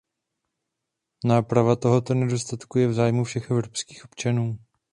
Náprava tohoto nedostatku je v zájmu všech evropských občanů.